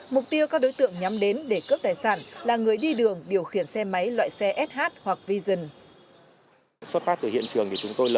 mục đích là để người ta không đưa xe thì là dọn đánh người ta